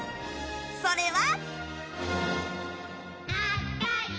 それは。